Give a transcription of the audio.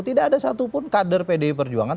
tidak ada satupun kader pdi perjuangan